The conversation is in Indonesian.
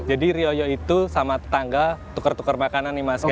jadi rioyo itu sama tetangga tukar tukar makanan nih mas